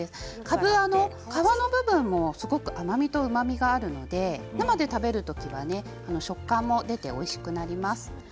かぶは皮の部分も、すごく甘みとうまみがあるので生で食べる時は食感も出ておいしくなります。